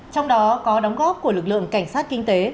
trong đó có đóng góp của lực lượng cảnh sát kinh tế